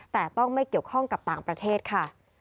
แต่ต้องไม่เกี่ยวข้องกับต่างประเทศค่ะ